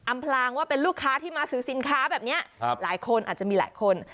พลางว่าเป็นลูกค้าที่มาซื้อสินค้าแบบนี้หลายคนอาจจะมีหลายคน